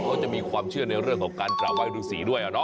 เขาจะมีความเชื่อในเรื่องของการกราบไห้ฤษีด้วย